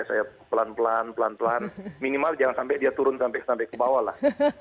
saya pelan pelan pelan pelan minimal jangan sampai dia turun sampai ke bawah lah